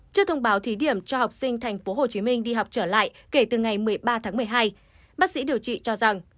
trước thông báo thí điểm cho học sinh tp hcm đi học trở lại kể từ ngày một mươi ba tháng một mươi hai bác sĩ điều trị cho rằng